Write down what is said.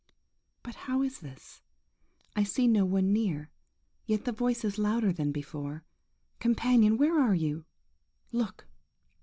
But how is this? I see no one near, yet the voice is louder than before. Companion, where are you? Look!